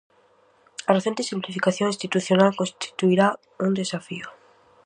A recente simplificación institucional constituirá un desafío.